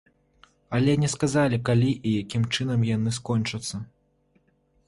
Але не сказалі, калі і якім чынам яны скончацца.